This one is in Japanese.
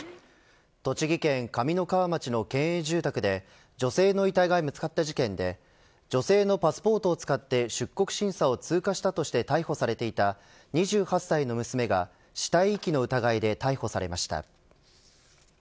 栃木県上三川町の県営住宅で女性の遺体が見つかった事件で女性のパスポートを使って出国審査を通過したとして逮捕されていた２８歳の娘が死体遺棄の疑いで逮捕されました。